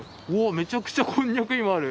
めちゃくちゃこんにゃく芋ある！